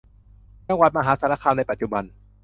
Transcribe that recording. จังหวัดมหาสารคามในปัจจุบัน